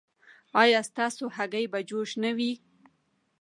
ایا ستاسو هګۍ به جوش نه وي؟